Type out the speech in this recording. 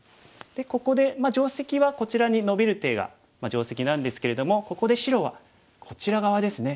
でここで定石はこちらにノビる手が定石なんですけれどもここで白はこちら側ですね。